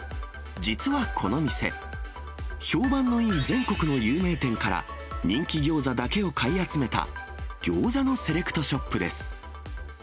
実はこの店、評判のいい全国の有名店から、人気ギョーザだけを買い集めたギョーザのセレクトショップです。